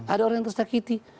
ada orang yang tersakiti